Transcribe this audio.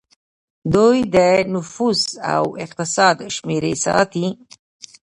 دوی د نفوس او اقتصاد شمیرې ساتي.